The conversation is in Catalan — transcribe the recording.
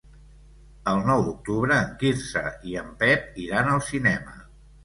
El nou d'octubre en Quirze i en Pep iran al cinema.